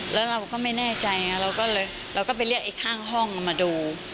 แล้วเราก็ไม่แน่ใจไงเราก็ไปเรียกไอ้ข้างห้องมาดู